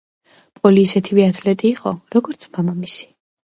პოლი ისეთივე ათლეტი იყო როგორც მამამისი.